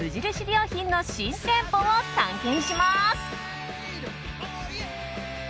良品の新店舗を探検します。